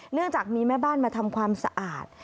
เนื่องจากมีแม่บ้านมาทำความสะอาด